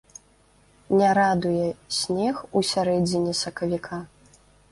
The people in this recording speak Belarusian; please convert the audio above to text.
Не радуе снег ў сярэдзіне сакавіка?